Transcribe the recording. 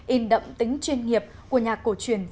in đậm tính chuyên nghiệp của nhạc cổ truyền